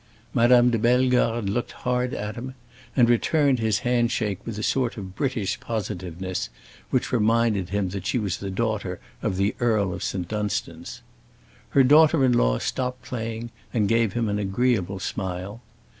Madame de Bellegarde looked hard at him, and returned his hand shake with a sort of British positiveness which reminded him that she was the daughter of the Earl of St. Dunstan's. Her daughter in law stopped playing and gave him an agreeable smile.